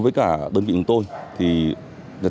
vào kỳ nghỉ hè